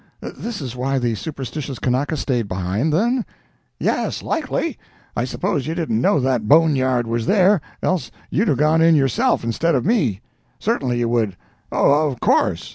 This is why the superstitious Kanaka staid behind then?" "Yes, likely. I suppose you didn't know that boneyard was there, else you'd have gone in yourself, instead of me. Certainly you would—oh, of course."